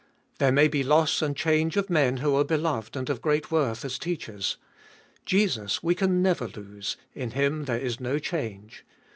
There may be loss and change of men who are beloved and of great worth as teachers. Jesus we can never lose, — in Him there is no change.